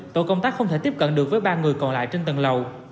tổ công tác không thể tiếp cận được với ba người còn lại trên tầng lầu